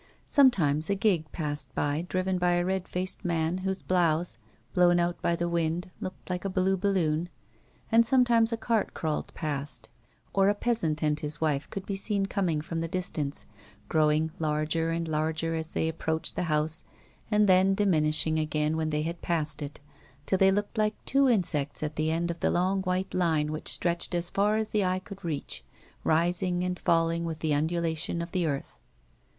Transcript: Sometimes a gig passed by driven by a red faced man whose blouse, blown out by the wind, looked like a blue balloon, and sometimes a cart crawled past, oi' a peasant and his wife could be seen coming from the dis tance, growing larger and larger as they approached the house and then diminishing again when they had passed it, till they looked like two insects at the end of the long white line which stretched as far as the eye could reach, rising and falling witli the undulation of the earth.